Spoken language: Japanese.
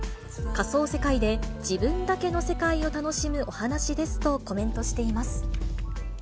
仮想世界で自分だけの世界を楽しむお話しですとコメントしています。